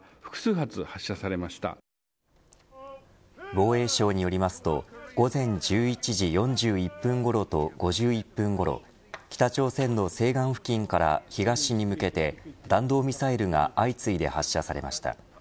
防衛省によりますと午前１１時４１分ごろと５１分ごろ北朝鮮の西岸付近から東に向けて弾道ミサイルが相次いで発射されました。